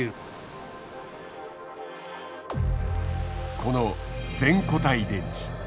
この「全固体電池」。